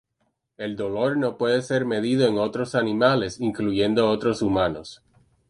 El dolor no puede ser medido en otros animales, incluyendo otros humanos.